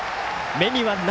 目には涙。